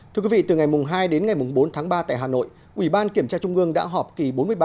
thưa quý vị từ ngày hai đến ngày bốn tháng ba tại hà nội ủy ban kiểm tra trung ương đã họp kỳ bốn mươi ba